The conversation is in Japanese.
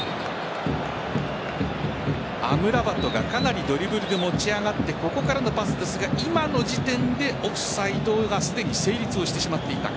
アムラバトがかなりドリブルで持ち上がってここからのパスですが今の時点でオフサイドがすでに成立をしてしまっていたか。